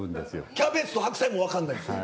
キャベツと白菜もわかんないんですよ。